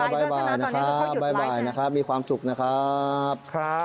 บ่ายนะครับบ่ายนะครับมีความสุขนะครับ